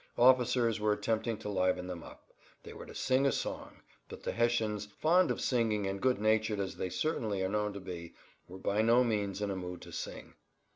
Officers were attempting to liven them up. They were to sing a song, but the Hessians, fond of singing and good natured as they certainly are known to be, were by no means in a mood to sing.